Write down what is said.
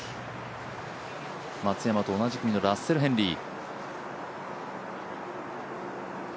松山と同じ組のラッセル・ヘンリー。